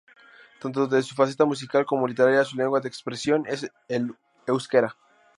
Tanto en su faceta musical como literaria, su lengua de expresión es el euskera.